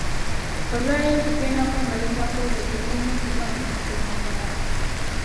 Olwaleero tugenda kwemaliza ku ebyo ebirina okubaamu okuwangaala.